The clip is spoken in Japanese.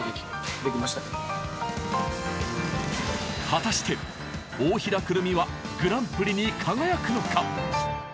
果たして、大平くるみはグランプリに輝くのか！？